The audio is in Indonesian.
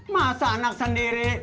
masa anak sendiri